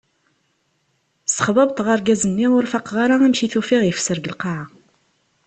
Ssexbabḍeɣ argaz-nni ur faqeɣ ara amek i t-ufiɣ yefser di lqaɛa.